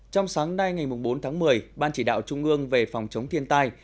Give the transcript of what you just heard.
trong sáng nay ngày bốn tháng một mươi ban chỉ đạo trung ương về phòng chống thiên tai